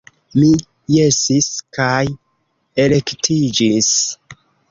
Mi jesis, kaj elektiĝis.